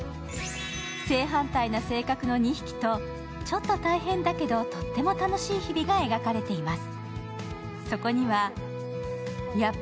正反対な性格の２匹とちょっと大変だけどとっても楽しい日々が描かれています。